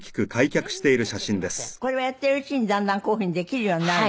これはやってるうちにだんだんこういうふうにできるようになるの？